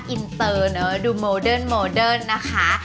อินเตอร์เนอะดูโมเดิร์นนะคะ